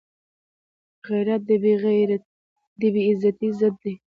غیرت د بې عزتۍ ضد دی